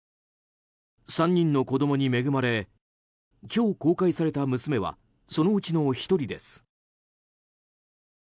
３人の子供に恵まれ今日公開された娘はそのうちの１人です。